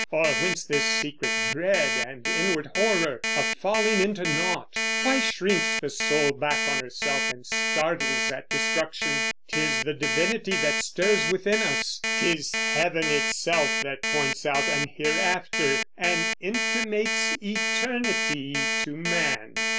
Or whence this secret dread, and inward horror, Of falling into nought? why shrinks the soul Back on herself, and startles at destruction? 'Tis the divinity that stirs within us; 'Tis heaven itself, that points out an hereafter, And intimates eternity to man.